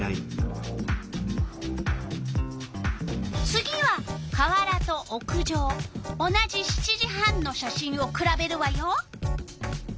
次は川原と屋上同じ７時半の写真をくらべるわよ。